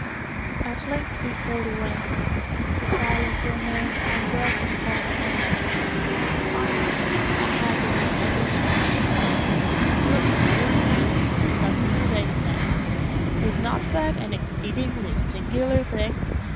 At length we pulled away. The silence remained unbroken for an hour. Finally, I hazarded a remark. "Did you observe, captain, how suddenly they sank? Was not that an exceedingly singular thing?